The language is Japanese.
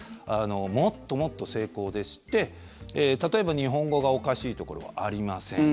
もっともっと精巧でして例えば日本語がおかしいところはありません。